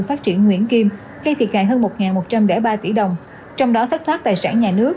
phát triển nguyễn kim gây thiệt hại hơn một một trăm linh ba tỷ đồng trong đó thất thoát tài sản nhà nước